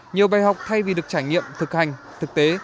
nhiều bài học thay vì được trải nghiệm thực hành thực tế